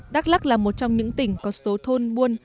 đắk lắc là một trong những tỉnh có số thôn buôn